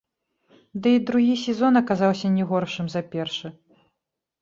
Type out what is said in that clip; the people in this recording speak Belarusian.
Ды і другі сезон аказаўся не горшым за першы.